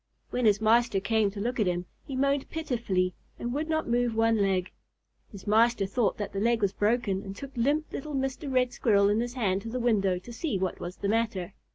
When his master came to look at him, he moaned pitifully and would not move one leg. His master thought that the leg was broken, and took limp little Mr. Red Squirrel in his hand to the window to see what was the matter.